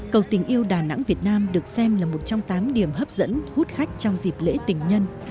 cầu tình yêu đà nẵng việt nam được xem là một trong tám điểm hấp dẫn hút khách trong dịp lễ tình nhân